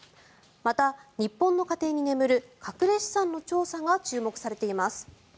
また日本の家庭に眠る隠れ資産の調査が注目されています。